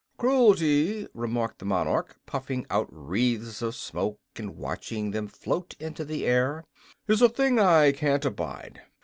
"Cruelty," remarked the monarch, puffing out wreathes of smoke and watching them float into the air, "is a thing I can't abide.